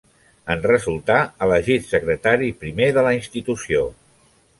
En resultà elegit secretari primer de la institució.